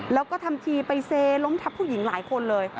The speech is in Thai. แล้วก็ทำทีไปเซล้มทับผู้หญิงหลายคนเลย